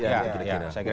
saya kira itu